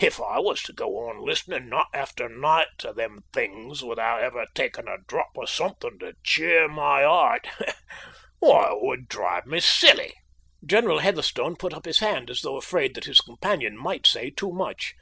If I was to go on listening night after night to them things without ever taking a drop of something to cheer my heart why, it would drive me silly." General Heatherstone put his hand up, as though afraid that his companion might say too much.